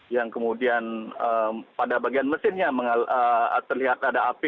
yang kemudian pada bagian mesinnya terlihat ada api